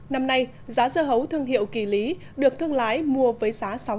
năm nay giá sơ hấu thương hiệu kỳ lý được thương lái mua với sơ hấu